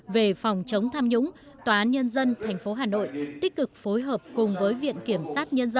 về phòng chống tham nhũng tòa án nhân dân tp hà nội tích cực phối hợp cùng với viện kiểm sát nhân dân